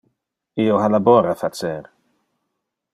Io ha labor a facer.